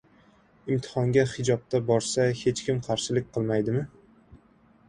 Imtihonga hijobda borsa, hech kim qarshilik qilmaydimi?